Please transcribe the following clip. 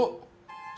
latihan futsal mulu